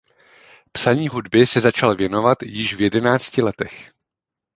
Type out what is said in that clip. Psaní hudby se začal věnovat již v jedenácti letech.